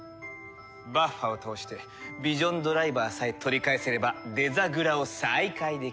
バッファを倒してヴィジョンドライバーさえ取り返せればデザグラを再開できる。